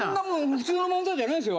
普通の漫才じゃないですよ